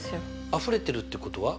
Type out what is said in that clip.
あふれてるってことは？